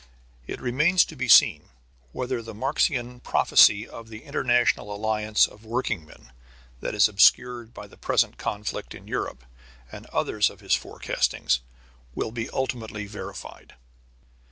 It remains to be seen whether the Marxian prophecy of the international alliance of workingmen that is obscured by the present conflict in Europe, and other of his forecastings, will be ultimately verified.